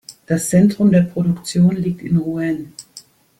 Das Zentrum der Produktion liegt in Rouen.